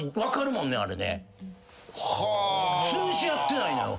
つぶし合ってないのよ。